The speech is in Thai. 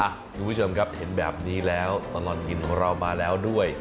คุณผู้ชมครับเห็นแบบนี้แล้วตลอดกินของเรามาแล้วด้วย